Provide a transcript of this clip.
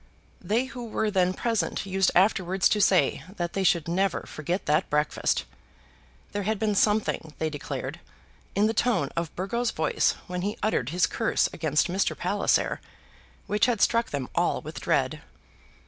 They who were then present used afterwards to say that they should never forget that breakfast. There had been something, they declared, in the tone of Burgo's voice when he uttered his curse against Mr. Palliser, which had struck them all with dread.